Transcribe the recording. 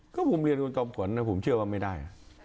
ก็ผมเรียนคุณจอมขวัญนะผมเชื่อว่าไม่ได้